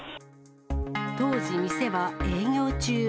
当時、店は営業中。